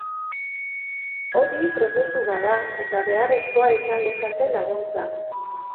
Hori prozesu bat da, eta beharrezkoa izan lezake laguntza.